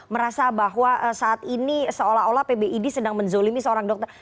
merasa bahwa saat ini seolah olah pbid sedang menzolimi seorang dokter